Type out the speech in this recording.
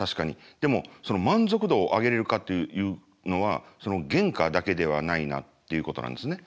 でも満足度を上げれるかっていうのはその原価だけではないなっていうことなんですね。